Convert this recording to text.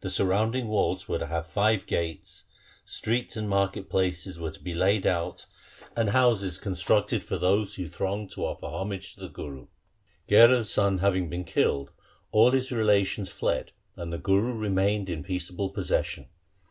The surrounding walls were to have five gates ; streets and market places were to be laid out ; and houses constructed 1 Bilawal. 2 Devgandhari. LIFE OF GURU HAR GOBIND 119 for those who thronged to offer homage to the Guru. Gherar's son having been killed, all his relations fled, and the Guru remained in peaceable possession.